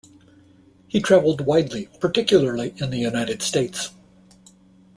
He travelled widely, particularly in the United States.